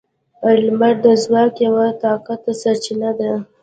• لمر د ځواک یوه طاقته سرچینه ده.